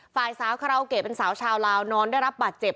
ฝ่ายสาวคาราโอเกะเป็นสาวชาวลาวนอนได้รับบาดเจ็บ